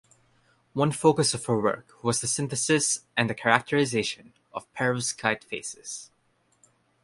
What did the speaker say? One focus of her work was the synthesis and characterization of perovskite phases.